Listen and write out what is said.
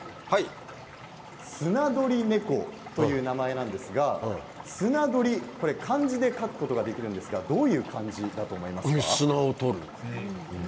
スナドリネコという名前なんですがすなどり漢字で書くことができるんですがどういう漢字だと思いますか？